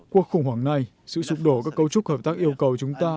cuộc khủng hoảng này sự sụp đổ các cấu trúc hợp tác yêu cầu chúng ta